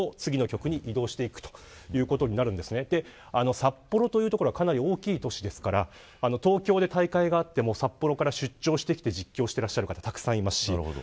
札幌という所はかなり大きい都市ですから東京で大会があっても札幌から出張して実況されている方もたくさんいます。